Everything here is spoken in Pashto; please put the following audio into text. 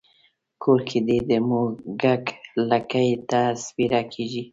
کور کې دې د موږک لکۍ نه سپېره کېږي.